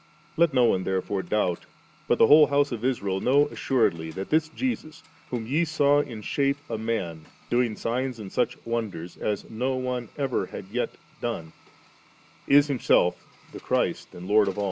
Let no one therefore doubt, bat the whole house of Israel know assuredly that this Jesus, whom ye saw in shape a man, doing signs and such works, as no one ever yet had done^ is Himself the Christ and Lord of aU.